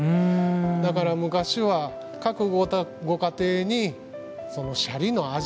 だから昔は各ご家庭にシャリの味